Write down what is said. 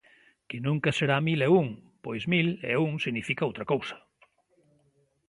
Que nunca será mil e un, pois mil e un significa outra cousa.